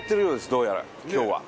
どうやら今日は。